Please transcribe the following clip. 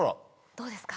どうですか？